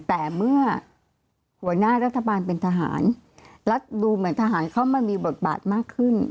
แต่เมื่อหัวหน้ารัฐบาลเป็นทหารรัฐดูเหมือนทหารเข้ามามีบทบาทมากขึ้น